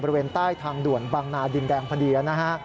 บริเวณใต้ทางด่วนบางนาดินแดงพอดีนะฮะ